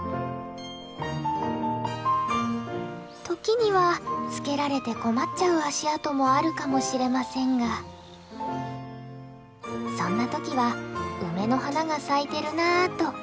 時にはつけられて困っちゃう足跡もあるかもしれませんがそんな時は梅の花が咲いてるなと許してあげてくださいニャン。